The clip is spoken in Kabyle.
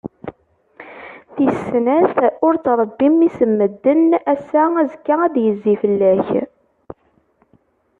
Tis snat, ur ttrebbi mmi-s n medden, ass-a, azekka ad d-yezzi fell-ak.